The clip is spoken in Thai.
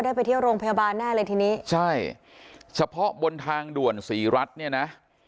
ไปเที่ยวโรงพยาบาลแน่เลยทีนี้ใช่เฉพาะบนทางด่วนศรีรัฐเนี่ยนะ